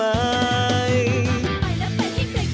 ไปแล้วไปให้ใกล้อย่าใกล้อย่าใกล้